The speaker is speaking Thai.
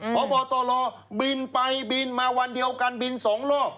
พบตรบินไปบินมาวันเดียวกันบิน๒รอบ